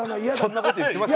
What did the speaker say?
そんなこと言ってます？